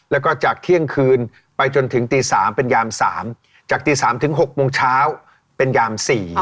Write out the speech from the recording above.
แล้วก็จากเที่ยงคืนไปจนถึงตี๓เป็นยาม๓จากตี๓ถึง๖โมงเช้าเป็นยาม๔